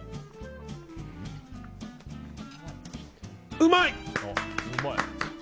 うまい！